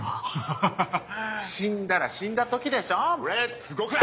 ハハハ死んだら死んだ時でしょレッツ極楽！